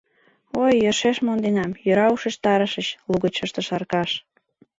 — Ой, йӧршеш монденам, йӧра, ушештарышыч, — лугыч ыштыш Аркаш.